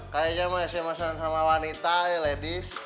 kayaknya sama sms an sama wanita ya ladies